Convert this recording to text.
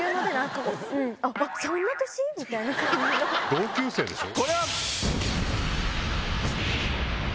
同級生でしょ？